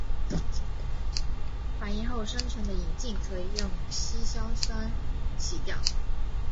反应后生成的银镜可以用稀硝酸洗掉。